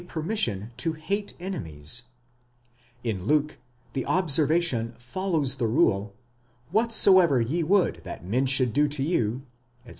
§ 76, permission to hate enemies: in Luke, the observation follows the rule, What soever ye would that men should do to you, etc.